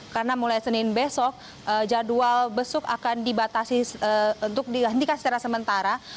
karena mulai senin besok jadwal besuk akan dibatasi untuk dihentikan secara sementara